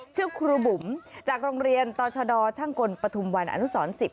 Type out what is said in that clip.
ชื่อครูบุ๋มจากโรงเรียนต่อชดช่างกลปฐุมวันอนุสร๑๐